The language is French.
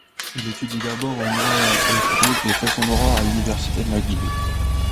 Il étudie d'abord au Montreal High School et fait son droit à l'université McGill.